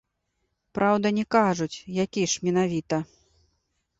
Праўда, не кажуць, які ж менавіта.